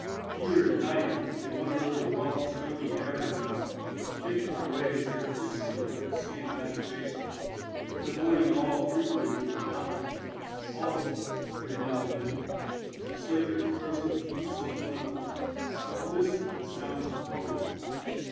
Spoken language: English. Here, at night, they wander over the rough, stony, arid ground, picking their way surreptitiously through the scant vegetation, and avoiding all frequented localities; pausing, every now and then, to slake their thirst in deep sunk wells, or to listen for the sounds of quarry.